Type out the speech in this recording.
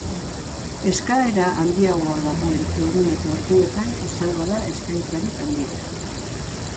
Eskaera handiagoa dagoen egun eta orduetan izango da eskaintzarik handiena.